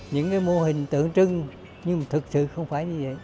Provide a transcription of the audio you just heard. những mô hình tượng trưng nhưng mà thực sự không phải như vậy